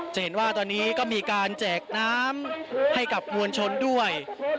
จะเห็นว่าตอนนี้ก็มีการแจกน้ำให้กับมวลชนด้วย